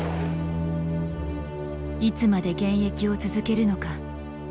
いつまで現役を続けるのか。